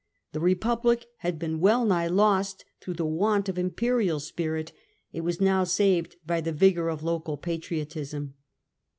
The Republic had been well nigh los£ through the want of imperial spirit ; it was now saved by the vigour of local patriotism.